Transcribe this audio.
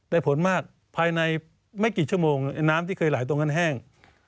ผลมากภายในไม่กี่ชั่วโมงน้ำที่เคยไหลตรงนั้นแห้ง